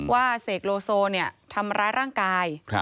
เสกโลโซทำร้ายร่างกาย